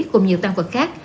cùng nhiều tăng vật khác